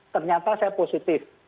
ternyata saya positif